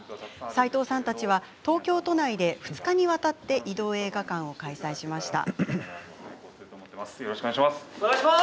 斎藤さんたちは東京都内で２日間にわたって移動映画館を開催しました。